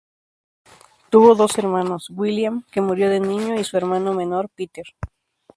Tuvo dos hermanos, William, que murió de niño, y su hermano menor, Peter.